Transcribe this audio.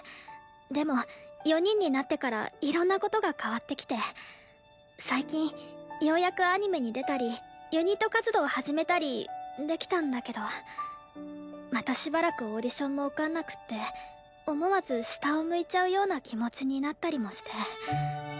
でも４人になってからいろんなことが変わってきて最近ようやくアニメに出たりユニット活動始めたりできたんだけどまたしばらくオーディションも受かんなくって思わず下を向いちゃうような気持ちになったりもして。